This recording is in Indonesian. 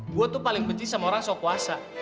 gue tuh paling pencet sama orang sok kuasa